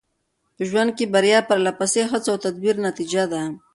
په ژوند کې بریا د پرله پسې هڅو او تدبیر نتیجه ده.